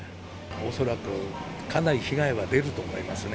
恐らくかなり被害は出ると思いますね。